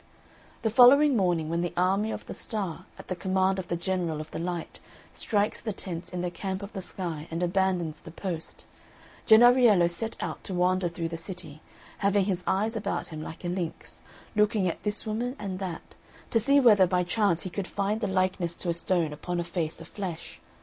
The following morning, when the army of the Star, at the command of the general of the Light, strikes the tents in the camp of the sky and abandons the post, Jennariello set out to wander through the city, having his eyes about him like a lynx, looking at this woman and that, to see whether by chance he could find the likeness to a stone upon a face of flesh.